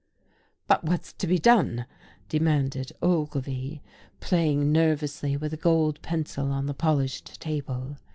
"But what's to be done?" demanded Ogilvy, playing nervously with a gold pencil on the polished table.